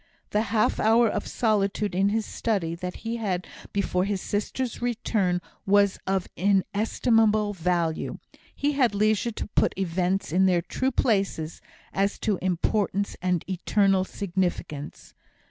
The half hour of solitude in his study, that he had before his sister's return, was of inestimable value; he had leisure to put events in their true places, as to importance and eternal significance.